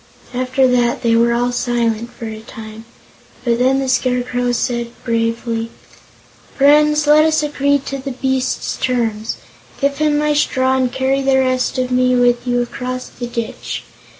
After that they were all silent for a time, but then the Scarecrow said bravely: "Friends, let us agree to the beast's terms. Give him my straw, and carry the rest of me with you across the ditch.